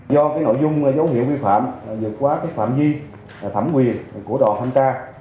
do cái nội dung dấu hiệu vi phạm dịch quá phạm vi thẩm quyền của đoàn thanh tra